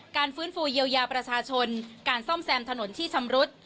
ฟื้นฟูเยียวยาประชาชนการซ่อมแซมถนนที่ชำรุด